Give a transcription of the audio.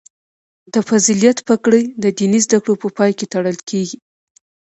د فضیلت پګړۍ د دیني زده کړو په پای کې تړل کیږي.